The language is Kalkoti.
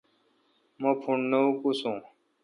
مہ پھوݨ نہ اوکوسو۔